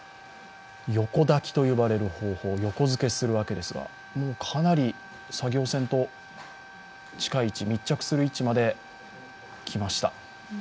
横抱きと呼ばれる方法横付けするわけですがもうかなり作業船と近い位置密着する位置まで来ました。